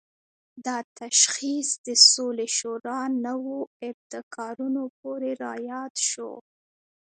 دا تشخیص د سولې شورا نوو ابتکارونو پورې راياد شو.